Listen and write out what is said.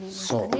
そう。